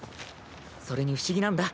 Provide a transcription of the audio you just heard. それに不思議なんだ。